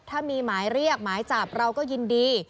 ถ้ามีหมายเรียกหมายจับเราก็ยินดี